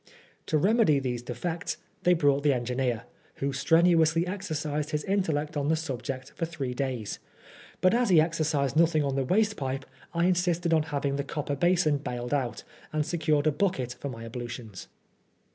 To remedy these defects they brought the engineer, who strenu ously exercised his intellect on the subject for three days ; but as he exercised nothing on the waste pipe, I insisted on having the copper basin baled out, and secured a bucket for my ablutions.